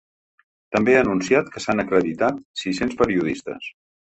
També ha anunciat que s’han acreditat sis-cents periodistes.